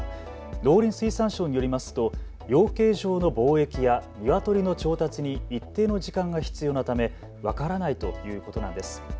農林水産省によりますと養鶏場の防疫やニワトリの調達に一定の時間が必要なため分からないということなんです。